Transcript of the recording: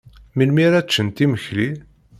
Melmi ara ččent imekli?